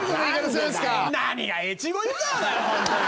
何が越後湯沢だよ、本当に。